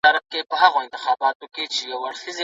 هغه خپله روغتيا لومړيتوب ګڼي.